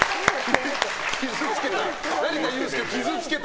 傷つけた。